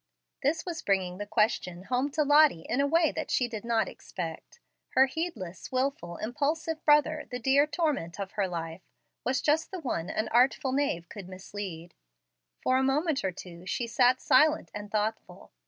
This was bringing the question home to Lottie in a way that she did not expect. Her heedless, wilful, impulsive brother, the dear torment of her life, was just the one an artful knave could mislead. For a moment or two she sat silent and thoughtful.